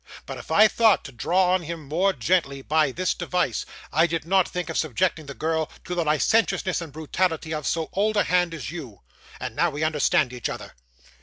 But if I thought to draw him on more gently by this device, I did not think of subjecting the girl to the licentiousness and brutality of so old a hand as you. And now we understand each other.